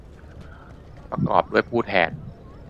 ประกอบด้วยผู้แทน